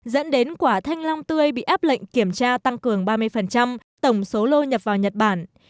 dẫn đến quả thanh long tươi bị áp lệnh kiểm tra tăng cường ba mươi tổng số lô nhập vào nhật bản